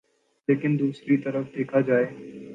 لیکن دوسری طرف دیکھا جائے